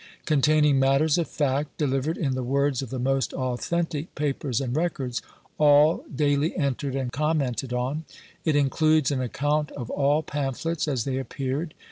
"Containing matters of fact, delivered in the words of the most authentic papers and records, all daily entered and commented on:" it includes an account of all pamphlets as they appeared.